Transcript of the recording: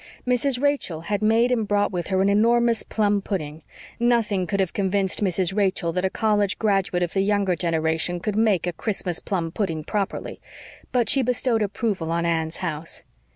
Mrs. Rachel had made and brought with her an enormous plum pudding. Nothing could have convinced Mrs. Rachel that a college graduate of the younger generation could make a Christmas plum pudding properly; but she bestowed approval on Anne's house.